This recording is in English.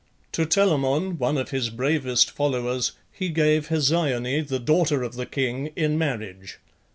To Telamon, one of his bravest followers, he gave Hesione, the daughter of the king, in marriage.